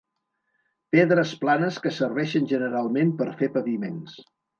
Pedres planes que serveixen generalment per fer paviments.